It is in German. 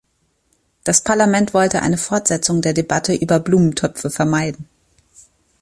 Das Parlament wollte eine Fortsetzung der Debatte über Blumentöpfe vermeiden.